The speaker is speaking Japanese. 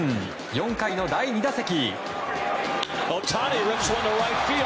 ４回の第２打席。